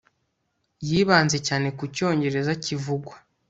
Yibanze cyane ku Cyongereza kivugwa